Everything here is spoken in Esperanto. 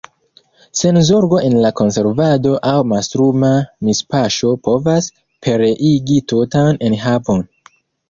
Senzorgo en la konservado aŭ mastruma mispaŝo povas pereigi tutan enhavon.